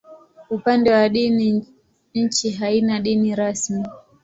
Upande wa dini, nchi haina dini rasmi.